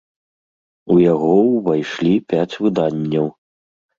У яго ўвайшлі пяць выданняў.